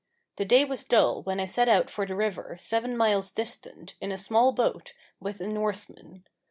The day was dull when I set out for the river, seven miles distant, in a small boat, with a Norseman.